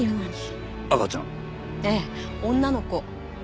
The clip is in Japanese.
ええ女の子。